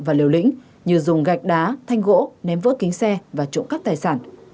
và liều lĩnh như dùng gạch đá thanh gỗ ném vỡ kính xe và trộm cắp tài sản